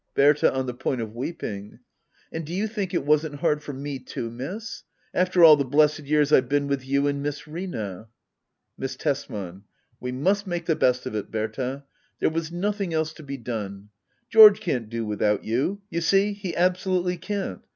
Berta. [On the point of weeping,] And do you think it wasn't hard for me too. Miss ? After all the blessed years I've been with you and Miss Rina.^ Miss Tesman. We must make the best of it, Berta. There was nothing else to be done. George can't do with out you, you see — he absolutely can't.